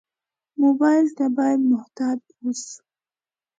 موبایل ته باید محتاط ووسو.